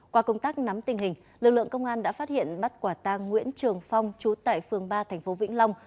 qua công tác nắm tình hình lực lượng công an đã phát hiện bắt quả tang nguyễn trường phong trú tại phường ba thành phố vĩnh long